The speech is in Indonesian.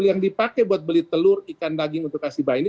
yang dipakai buat beli telur ikan daging untuk kasih bayi ini